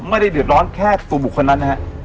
ไม่ได้เดือดร้อนแค่ตัวบุคคลนั้นนะฮะ